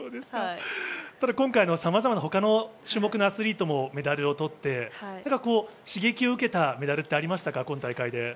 今回さまざまな他の種目のアスリートもメダルを取って、刺激を受けたメダルってありましたか？